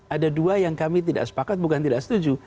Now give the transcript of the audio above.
ada dua yang kami tidak sepakat bukan tidak setuju